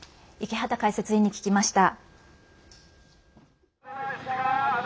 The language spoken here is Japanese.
池畑解説委員に聞きました。